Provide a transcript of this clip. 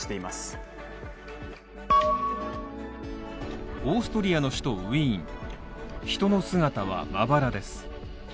オーストリアの首都ウィーン人の姿はまばらです。